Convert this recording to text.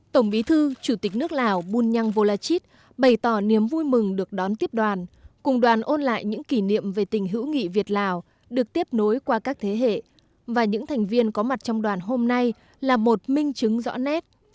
tổng bí thư chủ tịch nước lào bunyang volachit bày tỏ niềm vui mừng được đón tiếp đoàn cùng đoàn ôn lại những kỷ niệm về tình hữu nghị việt lào được tiếp nối qua các thế hệ và những thành viên có mặt trong đoàn hôm nay là một minh chứng rõ nét